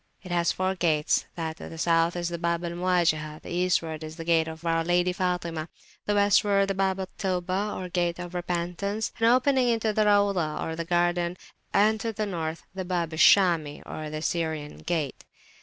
It has four gates: that to the South is the Bab al Muwajihah; Eastward is the gate of our Lady Fatimah; westward the Bab al Taubah (of Repentance), opening into the Rauzah or garden; and to the North, the Bab al Shami or Syrian gate.